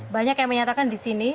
banyak yang menyatakan di sini